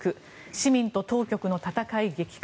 市民と当局の戦い激化。